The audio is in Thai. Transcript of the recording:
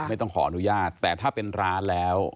ไม่ต้องขออนุญาตแต่ถ้าเป็นร้านแล้ว